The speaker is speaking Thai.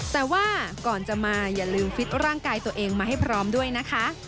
แต่ว่าก่อนจะมาอย่าลืมฟิตร่างกายตัวเองมาให้พร้อมด้วยนะคะ